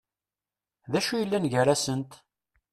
D acu yellan gar-asent?